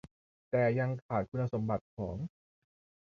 แต่ยังขาดคุณสมบัติของ